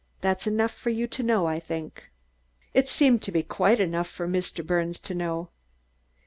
That's enough for you to know, I think." It seemed to be quite enough for Mr. Birnes to know.